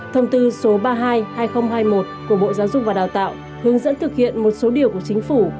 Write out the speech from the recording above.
thông tư số ba mươi hai hai nghìn hai mươi một của bộ giáo dục và đào tạo hướng dẫn thực hiện một số điều của chính phủ